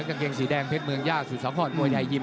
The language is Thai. กางเกงสีแดงเพชรเมืองย่าสุดสังหอดมัวใหญ่หยิ่ม